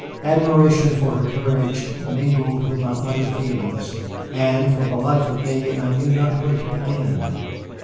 Admiration for her courage mingled with my other feelings, and for the life of me I knew not where to begin.